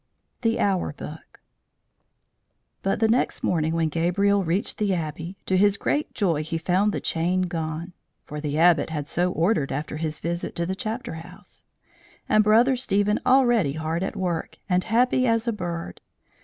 THE HOUR BOOK BUT the next morning when Gabriel reached the Abbey, to his great joy he found the chain gone (for the Abbot had so ordered after his visit to the chapter house), and Brother Stephen already hard at work, and happy as a bird.